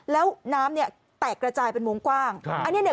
แล้วน้ำเนี่ยแตกระจายเป็นวงกว้างครับอันนี้เนี่ย